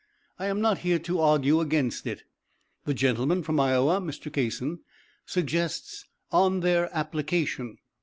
I am not here to argue against it. The gentleman from Iowa (Mr. Kasson) suggests 'on their application.'